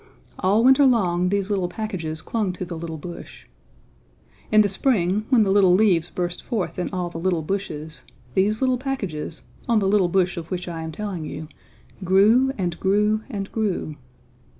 All winter long these little packages clung to the little bush. In the spring when the little leaves burst forth in all the little bushes, these little packages on the little bush of which I am telling you grew and grew and grew.